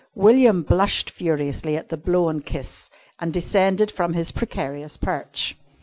William blushed furiously at the blown kiss and descended from his precarious perch.